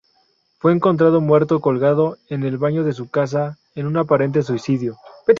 Fue encontrado muerto colgado en el baño de su casa, en un aparente suicidio.